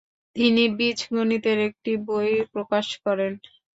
তিনি বীজগণিতের একটি বই প্রকাশ করেন।